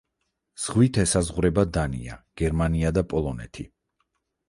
ზღვით ესაზღვრება დანია, გერმანია და პოლონეთი.